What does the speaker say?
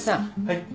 はい。